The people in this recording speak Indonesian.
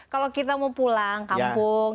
kalau kita mau pulang kampung